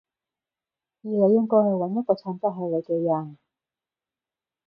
而你應該去搵一個襯得起你嘅人